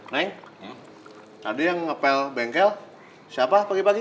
neng ada yang ngepel bengkel siapa pagi pagi